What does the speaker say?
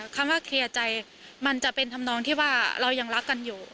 คำว่าเคลียร์ใจมันจะเป็นธรรมนองที่ว่าเรายังรักกันอยู่